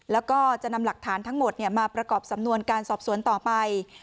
แล้วก็จะนำหลักฐานทั้งหมดมาประกอบสำนวนการสอบสวนต่อไป